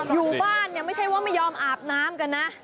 อยู่บ้านเนี่ยไม่ใช่ว่าไม่ยอมอาบน้ำกันนะ